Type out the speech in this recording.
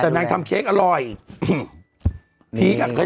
ก็ต้องทั้ง๓มื้ออะไรอย่างเงี้ย